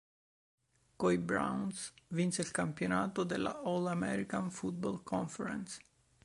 Coi Browns vinse il campionato della All-America Football Conference.